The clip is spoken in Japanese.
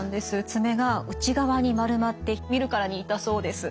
爪が内側に丸まって見るからに痛そうです。